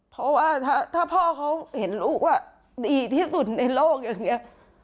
เพราะว่าถ้าพ่อเขาเห็นลูกว่าดีที่สุดในโลกอย่างนี้